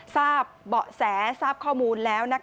ทราบเบาะแสทราบข้อมูลแล้ว